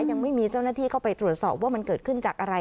ยังไม่มีเจ้าหน้าที่เข้าไปตรวจสอบว่ามันเกิดขึ้นจากอะไร